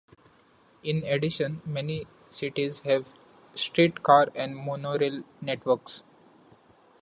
In addition, many cities have streetcar and monorail networks.